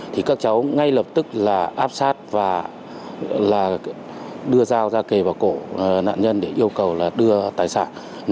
thì các cháu ngay lập tức là áp sát và đưa dao ra kề vào cổ nạn nhân để yêu cầu là đưa tài sản